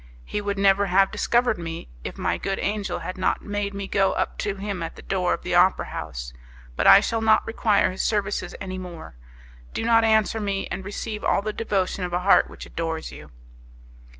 He would never have discovered me, if my good angel had not made me go up to him at the door of the opera house. But I shall not require his services any more; do not answer me, and receive all the devotion of a heart which adores you."